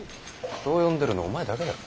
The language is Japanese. そう呼んでるのお前だけだぞ。